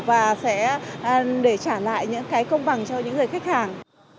và sẽ để trả lại những cái công bằng cho những người khách hàng